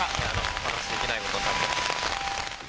お話しできないことになっています。